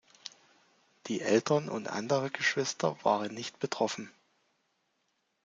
Die Eltern und andere Geschwister waren nicht betroffen.